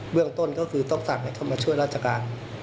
เรื่องต้นก็คือต้องสั่งให้เข้ามาช่วยราชการ